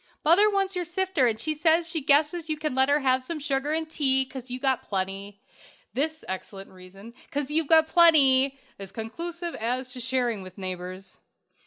"'Mother wants your sifter, and she says she guesses you can let her have some sugar and tea, 'cause you've got plenty.' This excellent reason, ''cause you've got plenty,' is conclusive as to sharing with neighbors.